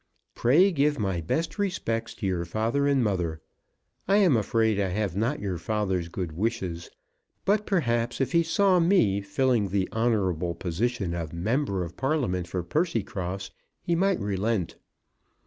Pray give my best respects to your father and mother. I am afraid I have not your father's good wishes, but perhaps if he saw me filling the honourable position of member of Parliament for Percycross he might relent.